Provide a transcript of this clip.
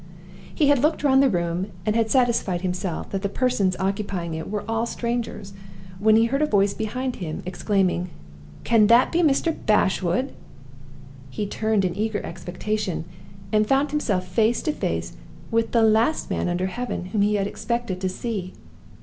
He had looked round the room, and had satisfied himself that the persons occupying it were all strangers, when he heard a voice behind him, exclaiming: "Can that be Mr. Bashwood!" He turned in eager expectation, and found himself face to face with the last man under heaven whom he had expected to see.